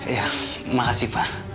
ya makasih pak